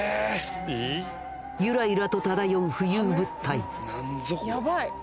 ゆらゆらと漂う浮遊物体やばい！